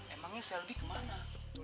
emangnya selby kemana